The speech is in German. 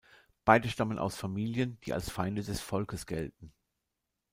Beide stammen aus Familien, die als Feinde des Volkes gelten.